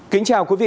kính chào quý vị